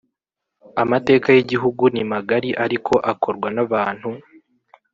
Amateka y’Igihugu ni magari ariko akorwa n’abantu